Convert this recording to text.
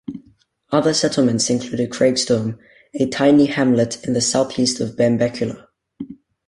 Other settlements include Craigstrome, a tiny hamlet in the south-east of Benbecula.